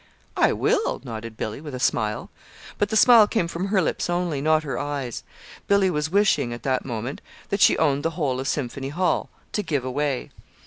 "I will," nodded Billy, with a smile; but the smile came from her lips only, not her eyes: Billy was wishing, at that moment, that she owned the whole of Symphony Hall to give away.